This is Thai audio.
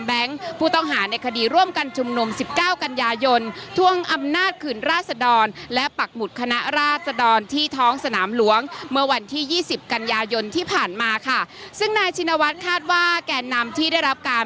บอกว่าเซียโป้กับน้องเอ่อเซียโป้กับคนที่ชื่อเคนเนี่ย